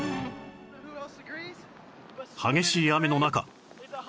激しい雨の中